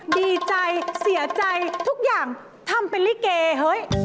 ดีใจเสียใจทุกอย่างทำเป็นลิเกเฮ้ย